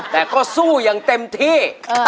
แต่ก็สู้อย่างเต็มที่